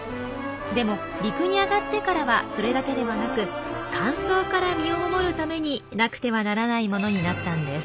でも陸に上がってからはそれだけではなく乾燥から身を守るためになくてはならないものになったんです。